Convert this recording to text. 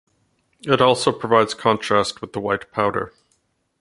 It also provides contrast with the white powder.